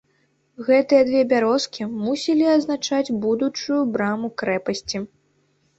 Гэтыя дзве бярозкі мусілі азначаць будучую браму крэпасці.